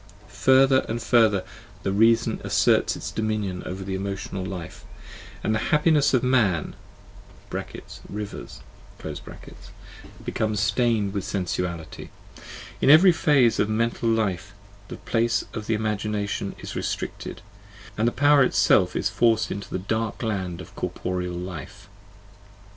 Further and further the reason asserts its dominion over the emotional life, and the happinesses of man (rivers) become stained with sensual ity: in every phase of mental life the place of the imagination is restricted, and the power itself is forced into the dark land of cor poreal life.